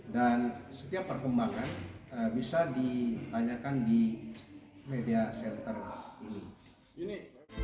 dan setiap perkembangan bisa ditanyakan di media center ini